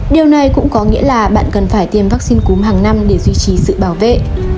điều này cũng có nghĩa là bạn cần phải tiêm vaccine cúm hàng năm để duy trì sự bảo vệ